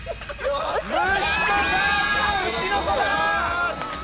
「うちの子」だ！